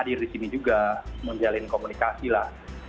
hadir di sini juga menjalin komunikasi lah